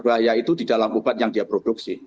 dan senyawa berbahaya itu di dalam obat yang diproduksi